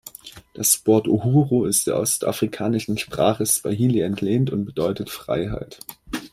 Das Wort "Uhuru" ist der ostafrikanischen Sprache Swahili entlehnt und bedeutet Freiheit.